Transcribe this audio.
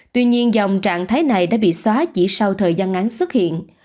tuy nhiên dòng trạng thái này đã bị xóa chỉ sau thời gian ngắn xuất hiện